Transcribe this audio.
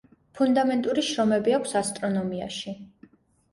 ფუნდამენტური შრომები აქვს ასტრონომიაში.